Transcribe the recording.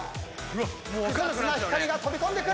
複雑な光が飛び込んでくる。